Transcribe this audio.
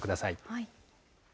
はい。